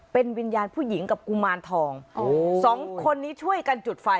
เป็นวิญญาณผู้หญิงกับกุมารทองสองคนนี้ช่วยกันจุดไฟ